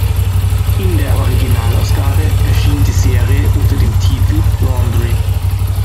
In der Originalausgabe erschien die Serie unter dem Titel "Laundry".